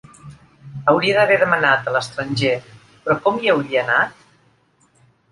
Hauria d'haver demanat a l'estranger, però com hi hauria anat?